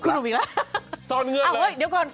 พี่หนุ่มก็รู้จัก